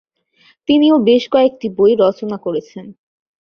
তিনিও বেশ কয়েকটি বই রচনা করেছেন।